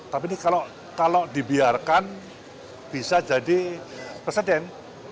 tapi ini kalau dibiarkan bisa jadi presiden